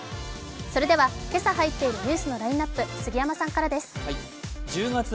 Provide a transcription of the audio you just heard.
それでは今朝入っているニュースのラインナップ、杉山さんからです。